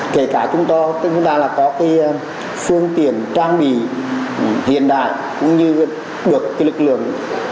kể cả chúng ta có phương tiện trang bị hiện đại cũng như được lực lượng